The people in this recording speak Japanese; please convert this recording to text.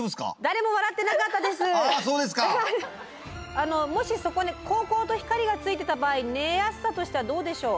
あのもしそこにこうこうと光がついていた場合寝やすさとしてはどうでしょう？